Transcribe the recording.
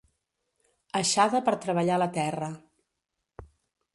Aixada per treballar la terra.